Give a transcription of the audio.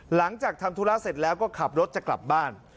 หลังจากทำธุระเสร็จแล้วก็ขับรถจะกลับบ้าน